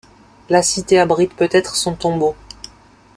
La cité abrite peut-être son tombeau.